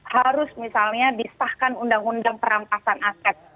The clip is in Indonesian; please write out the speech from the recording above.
harus misalnya disahkan undang undang perampasan aset